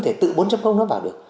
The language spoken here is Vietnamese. tự bốn nó bảo được